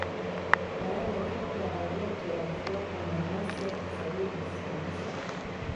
Barani Afrika Dangote alifuatwa na Nassef Sawiris wa Misri